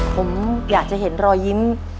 ผมอยากจะเห็นรอยยิ้ม